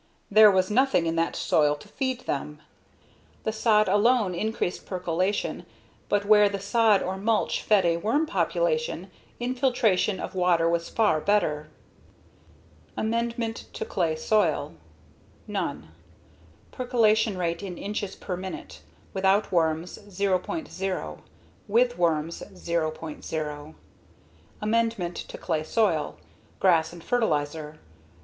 There was nothing in that soil to feed them. The sod alone increased percolation but where the sod or mulch fed a worm population, infiltration of water was far better. Amendment to clay soil Percolation rate in inches per minute Without worms With worms None 0.0 0.0 Grass and fertilizer 0.